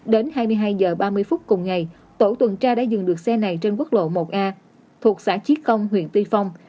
đến hai mươi hai h ba mươi phút cùng ngày tổ tuần tra đã dừng được xe này trên quốc lộ một a thuộc xã chí công huyện tuy phong